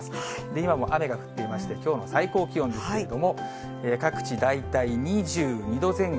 今も雨が降っていまして、きょうの最高気温ですけれども、各地、大体２２度前後。